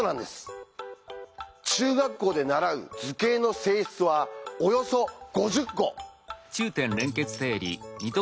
中学校で習う図形の性質はおよそ５０個。